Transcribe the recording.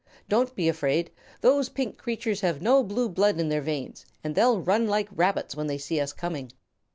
Don't be afraid; those pink creatures have no blue blood in their veins and they'll run like rabbits when they see us coming."